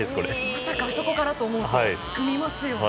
まさかあそこからと思うとすくみますよね。